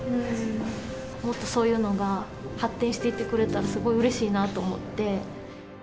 もっとそういうのが発展していってくれたらすごいうれしいなと思って。